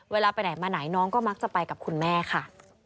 เวลาไปไหนมาไหนน้องก็มักจะไปกับคุณแม่ค่ะ